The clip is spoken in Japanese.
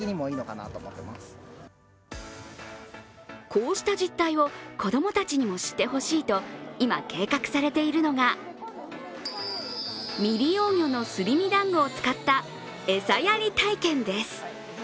こうした実態を子供たちにも知ってほしいと今、計画されているのが未利用魚のすり身だんごを使った餌やり体験です。